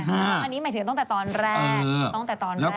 แต่ตอนแรก